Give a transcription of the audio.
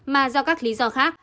mà do các lý do khác